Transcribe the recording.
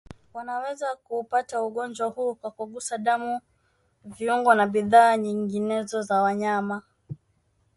wanaweza kuupata ugonjwa huu kwa kugusa damu viungo na bidhaa nyinginezo za wanyama